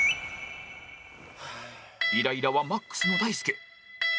イライラはマックスの大輔